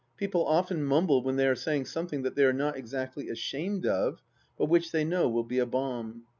People often mumble when they are saying something that they are not exactly ashamed of, but which they know will be a bomb.